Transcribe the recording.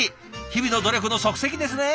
日々の努力の足跡ですね。